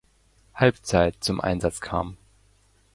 Halbzeit zum Einsatz kam.